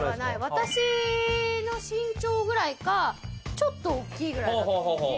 私の身長くらいか、ちょっと大きいぐらいだと思う。